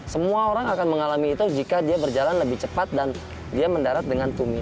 semua orang akan mengalami itu jika dia berjalan lebih cepat dan dia mendarat dengan tumi